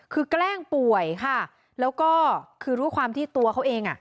คือแกล้งป่วยค่ะแล้วก็คือด้วยความที่ตัวเขาเองอ่ะ